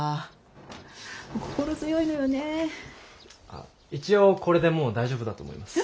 あ一応これでもう大丈夫だと思います。